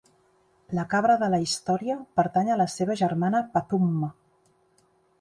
La cabra de la història pertany a la seva germana Pathumma.